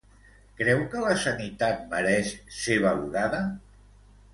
Creu que la sanitat mereix ser valorada?